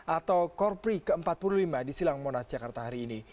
atau korpri ke empat puluh lima di silang monas jakarta hari ini